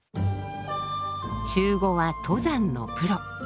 中語は登山のプロ。